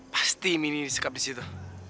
pasti mini disekap di situ